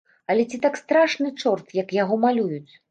Але ці так страшны чорт, як яго малююць?